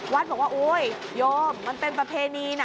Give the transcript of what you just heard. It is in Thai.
วัดบอกว่าโอ๊ยโยมมันเป็นประเพณีนะ